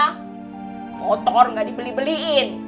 kotor gak dibeli beliin